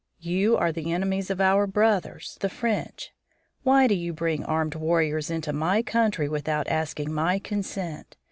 You are the enemies of our brothers, the French. Why do you bring armed warriors into my country without asking my consent?